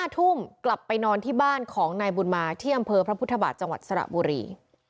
๕ทุ่มกลับไปนอนที่บ้านของนายบุญมาที่อำเภอพระพุทธบาทจังหวัดสระบุรี